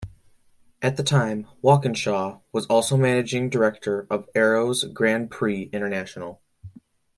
At the time, Walkinshaw was also managing director of Arrows Grand Prix International.